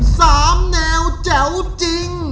สามแนวแจ๋วจริง